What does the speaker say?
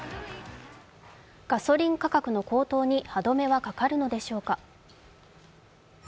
ガソリン価格の高騰に歯止めがかかるのでしょうか？